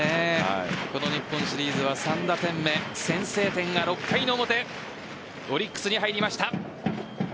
この日本シリーズは３打点目、先制点の６回の表オリックスに入りました。